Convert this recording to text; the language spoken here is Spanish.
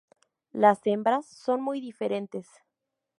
Las hembras son muy diferentes.